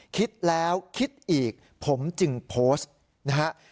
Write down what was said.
คิดแล้วคิดอีกผมจึงโพสต์นะฮะ